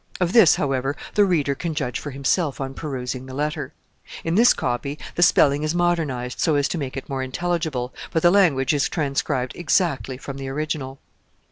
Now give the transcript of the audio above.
Of this, however, the reader can judge for himself on perusing the letter. In this copy the spelling is modernized so as to make it more intelligible, but the language is transcribed exactly from the original.